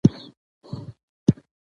د موسیقۍ له لارې خلک یو بل درک کوي.